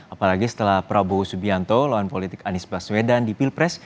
apalagi setelah prabowo subianto lawan politik anies baswedan di pilpres